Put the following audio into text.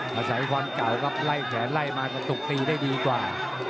ภาษาอีกความเก่าก็ไล่แขนไล่มาก็ตกตีได้ดีกว่า